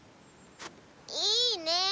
いいね。